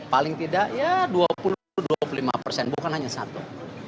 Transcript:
paling tidak ya dua puluh dua puluh lima persen bukan hanya satu